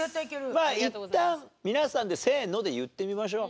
まあいったん皆さんでせーので言ってみましょう。